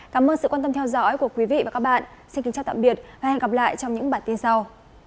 các đơn vị và các bạn xin kính chào tạm biệt và hẹn gặp lại trong những bản tin sau